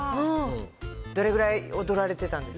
どれぐらい踊られてたんですか？